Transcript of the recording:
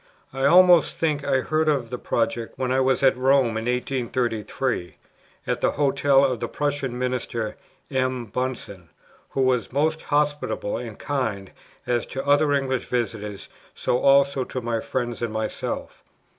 I almost think I heard of the project, when I was at Rome in 1833, at the Hotel of the Prussian Minister, M. Bunsen, who was most hospitable and kind, as to other English visitors, so also to my friends and myself.